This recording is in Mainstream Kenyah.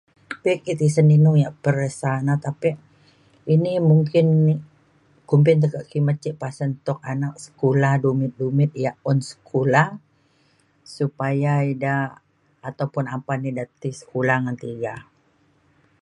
be' ke' tesen inu ya' peresa na tapi ini mungkin kumpin ce' kimet ke' pasen tok anak sekula dumit dumit ya un sekula supaya ida ataupun apan ida ti sekula ngan tiga